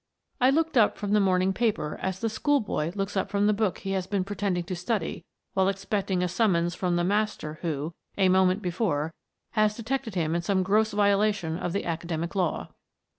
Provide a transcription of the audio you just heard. I looked up from the morning paper as the schoolboy looks up from the book he has been pretending to study while expecting a summons from the master who, a moment before, has de tected him in some gross violation of the academic law.